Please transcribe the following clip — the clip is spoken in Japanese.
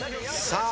さあ